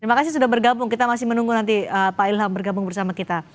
terima kasih sudah bergabung kita masih menunggu nanti pak ilham bergabung bersama kita